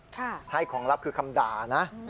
ค่ะค่ะให้ของลับคือคำด่านะ